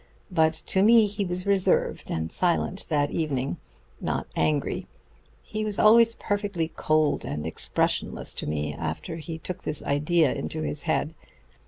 But to me he was reserved and silent that evening not angry. He was always perfectly cold and expressionless to me after he took this idea into his head.